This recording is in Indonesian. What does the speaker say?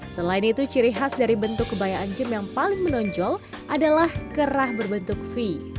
selain itu ciri khas dari bentuk kebayaan gym yang paling menonjol adalah kerah berbentuk fee